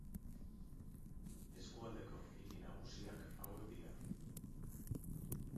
Eskualdeko hiri nagusiak hauek dira.